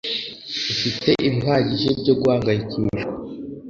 ufite ibihagije byo guhangayikishwa